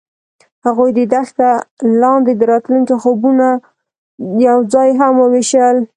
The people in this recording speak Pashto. هغوی د دښته لاندې د راتلونکي خوبونه یوځای هم وویشل.